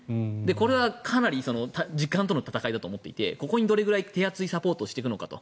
これはかなり時間との戦いだと思っていてここにどれくらい手厚いサポートをしていくのかと。